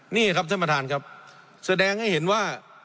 นี่ครับท่านประธานครับแสดงให้เห็นว่า